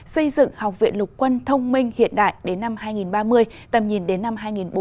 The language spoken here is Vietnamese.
xây dựng học viện lục quân thông minh hiện đại đến năm hai nghìn ba mươi tầm nhìn đến năm hai nghìn bốn mươi